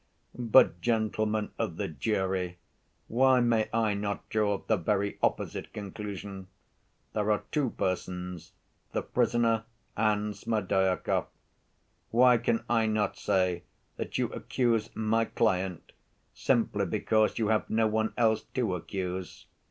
But, gentlemen of the jury, why may I not draw the very opposite conclusion? There are two persons—the prisoner and Smerdyakov. Why can I not say that you accuse my client, simply because you have no one else to accuse?